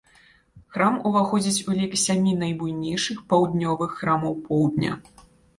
Храм уваходзіць у лік сямі найбуйнейшых паўднёвых храмаў поўдня.